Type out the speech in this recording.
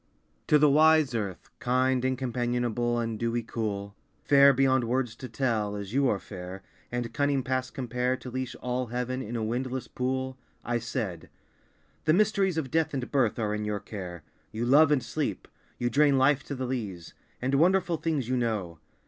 To the wise earth, Kind, and companionable, and dewy cool, Fair beyond words to tell, as you are fair, And cunning past compare To leash all heaven in a windless pool, I said "The mysteries of death and birth Are in your care. You love, and sleep; you drain life to the lees; And wonderful things you know.